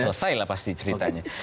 selesai lah pasti ceritanya